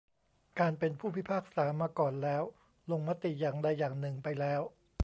การเป็นผู้พิพากษามาก่อนแล้วลงมติอย่างใดอย่างหนึ่งไปแล้ว